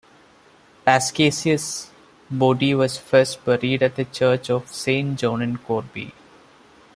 Paschasius' body was first buried at the Church of Saint John in Corbie.